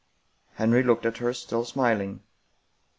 Henry looked at her, still smiling.